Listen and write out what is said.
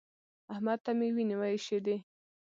احمد ته مې وينې وايشېدې.